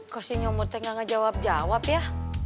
kok si nyomutnya gak ngejawab jawab ya